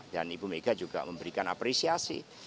dan ibu mega juga memberikan apresiasi